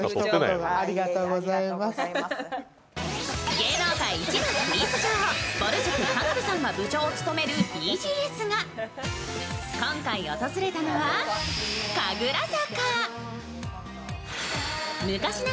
芸能界一のスイーツ女王ぼる塾の田辺さんが部長を務めるＢＧＳが今回訪れたのは神楽坂。